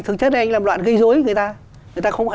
thực chất là làm loạn gây dối người ta